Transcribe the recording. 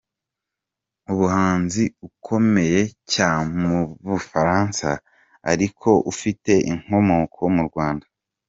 Umuhanzi ukomeye cya mubufaransa ariko ufute inkomoko mu Rwanda.